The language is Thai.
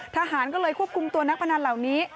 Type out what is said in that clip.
ทหารก็เลยควบคุมตัวนักพนันเหล่านี้